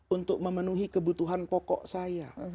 untuk memenuhi kebutuhan pokok saya